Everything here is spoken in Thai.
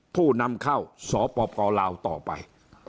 ผู้นำเข้าสปลาวต่อไป